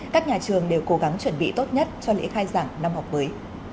các nhà trường đều cố gắng chuẩn bị tốt nhất cho lễ khai giảng năm học mới